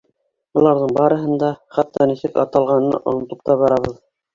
Быларҙың барыһын да, хатта нисек аталғанын онотоп та барабыҙ.